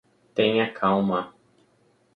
Tenha calma